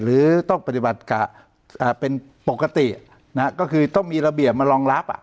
หรือต้องปฏิบัติกะเป็นปกตินะฮะก็คือต้องมีระเบียบมารองรับ